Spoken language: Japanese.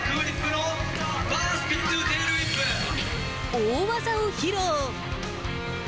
大技を披露。